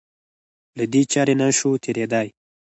له دې چارې نه شو تېرېدای.